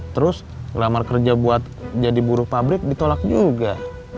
terus lamar kerja buat jadi buruh pabrik ditolak juga